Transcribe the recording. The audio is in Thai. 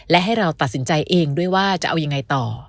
และให้เราตัดสินใจเองด้วยว่าจะเอายังไงต่อ